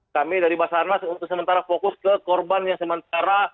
kami dari basarnas untuk sementara fokus ke korban yang sementara